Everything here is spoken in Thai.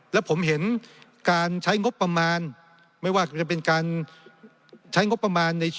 และผมเห็นการใช้งบประมาณไม่ว่าจะเป็นการใช้งบประมาณใน